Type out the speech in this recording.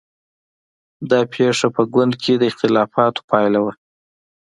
دا پېښه په ګوند کې د اختلافونو پایله وه.